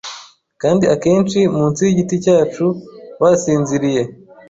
kandi akenshi munsi yigiti cyacu wasinziriye